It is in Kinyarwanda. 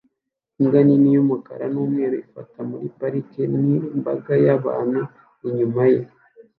Imbwa nini y'umukara n'umweru ifata muri parike n'imbaga y'abantu inyuma ye